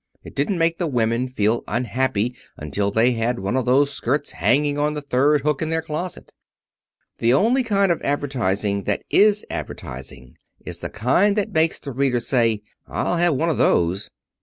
It didn't make the women feel unhappy until they had one of those skirts hanging on the third hook in their closet. The only kind of advertising that is advertising is the kind that makes the reader say, 'I'll have one of those.'"